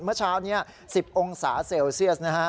เมื่อเช้านี้๑๐องศาเซลเซียสนะฮะ